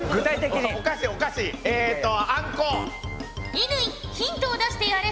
乾ヒントを出してやれ。